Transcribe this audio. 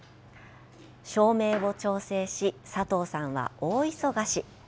照明を調整し、佐藤さんは大忙し。